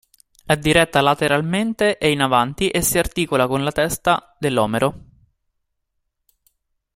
È diretta lateralmente e in avanti e si articola con la testa del omero.